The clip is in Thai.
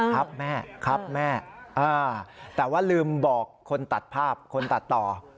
ครับแม่ครับแม่แต่ว่าลืมบอกคนตัดภาพคนตัดต่อ